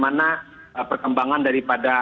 mana perkembangan daripada